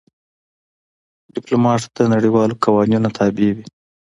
ډيپلومات د نړیوالو قوانینو تابع وي.